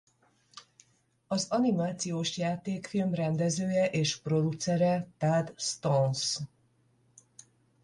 Az animációs játékfilm rendezője és producere Tad Stones.